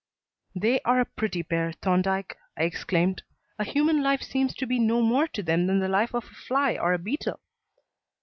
"They are a pretty pair, Thorndyke," I exclaimed. "A human life seems to be no more to them than the life of a fly or a beetle."